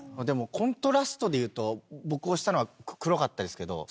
でもコントラストでいうと僕が押したのは黒かったですけど。